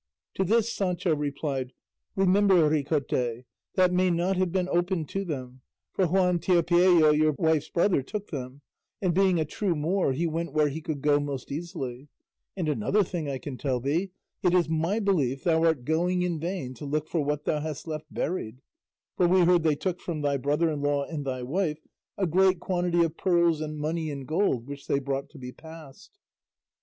To this Sancho replied, "Remember, Ricote, that may not have been open to them, for Juan Tiopieyo thy wife's brother took them, and being a true Moor he went where he could go most easily; and another thing I can tell thee, it is my belief thou art going in vain to look for what thou hast left buried, for we heard they took from thy brother in law and thy wife a great quantity of pearls and money in gold which they brought to be passed."